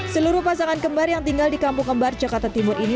seluruh pasangan kembar yang tinggal di kampung kembar jakarta timur ini